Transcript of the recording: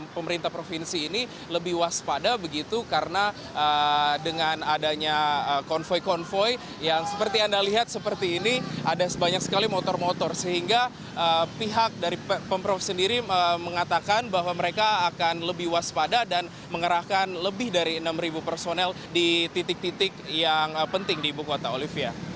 pemerintah provinsi ini lebih waspada begitu karena dengan adanya konvoy konvoy yang seperti anda lihat seperti ini ada banyak sekali motor motor sehingga pihak dari pemprov sendiri mengatakan bahwa mereka akan lebih waspada dan mengerahkan lebih dari enam personel di titik titik yang penting di ibu kota olivia